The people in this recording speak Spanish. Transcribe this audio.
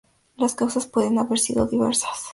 Las causas pueden haber sido diversas.